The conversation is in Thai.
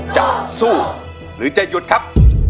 จะสู้หรือจะหยุดครับ